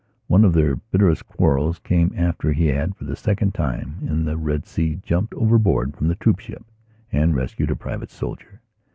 One of their bitterest quarrels came after he had, for the second time, in the Red Sea, jumped overboard from the troopship and rescued a private soldier.